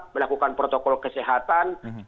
melakukan protokol kesehatan